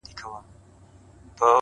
• خولې اسمان ته د وړوكو د لويانو,